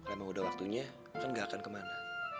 emang udah waktunya kan gak akan kemana